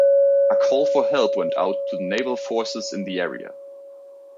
A call for help went out to the naval forces in the area.